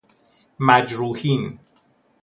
مجروحین